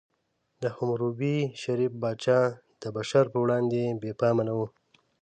حموربي، شریف پاچا، د بشر په وړاندې بې پامه نه و.